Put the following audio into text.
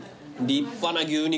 立派な牛肉？